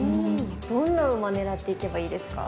どんな馬狙っていけばいいですか？